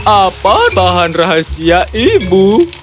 apa bahan rahasia ibu